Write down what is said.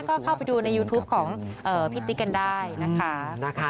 ก็เข้าไปดูในยูทูปของพี่ติ๊กกันได้นะคะ